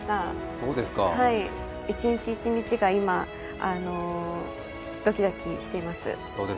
一日一日が今、ドキドキしています